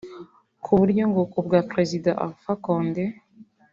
ku buryo ngo kubwa Perezida Alpha Condé